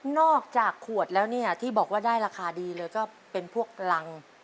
นอกจากขวดแล้วที่บอกว่าได้ราคาดีเลยเป็นลัง